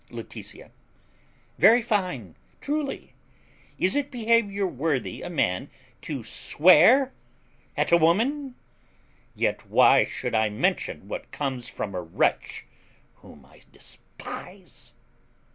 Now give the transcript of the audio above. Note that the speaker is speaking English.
Laetitia. Very fine truly. Is it behaviour worthy a man to swear at a woman? Yet why should I mention what comes from a wretch whom I despise.